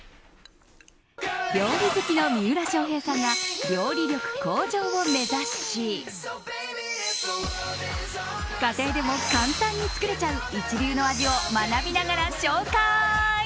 料理好きの三浦翔平さんが料理力向上を目指し家庭でも簡単に作れちゃう一流の味を学びながら紹介。